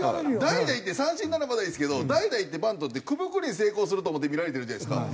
代打いって三振ならまだいいですけど代打いってバントって九分九厘成功すると思って見られてるじゃないですか。